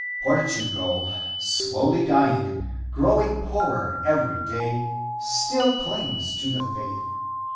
Portugal, slowly dying, growing poorer every day, still clings to the faith.